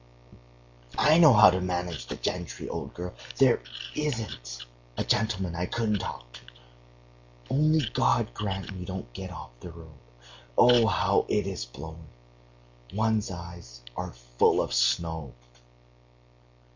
I know how to manage the gentry, old girl. There isn't a gentleman I couldn't talk to. Only God grant we don't get off the road. Oh, how it is blowing! One's eyes are full of snow."